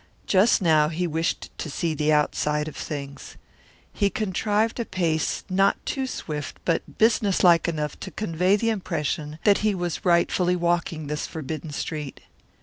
Just now he wished to see the outside of things. He contrived a pace not too swift but business like enough to convey the impression that he was rightfully walking this forbidden street.